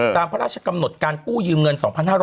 ตามพระราชกำหนดการกู้ยืมเงิน๒๕๖๐